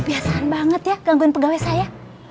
biasaan banget ya gangguin pegawai saya